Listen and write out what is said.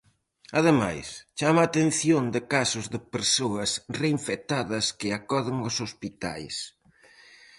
Ademais, chama a atención de casos de persoas reinfectadas que acoden aos hospitais.